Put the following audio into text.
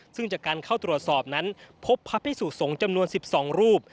ซึ่งจากการเข้าตรวจสอบนั้นพบพระพิสุสงฆ์จำนวน๑๒รูป